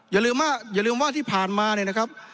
อย่าลืมว่าที่ผ่านมานะครับ